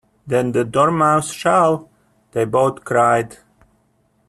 ‘Then the Dormouse shall!’ they both cried.